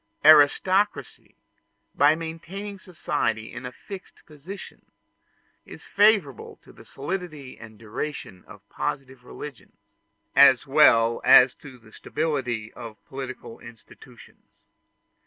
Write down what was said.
Aristocracy, by maintaining society in a fixed position, is favorable to the solidity and duration of positive religions, as well as to the stability of political institutions.